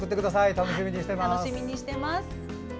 楽しみにしています。